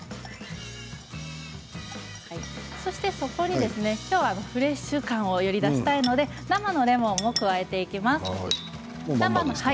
そこに今日はフレッシュ感をより出したいので生のレモンを加えていきます。